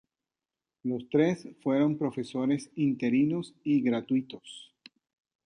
Los tres fueron profesores interinos y gratuitos.